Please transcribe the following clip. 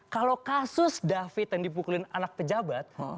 kalau kasus david yang dipukulin anak pejabat